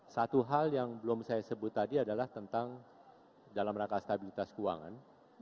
satu hal yang belum saya sebut tadi adalah tentang dalam rangka stabilitas keuangan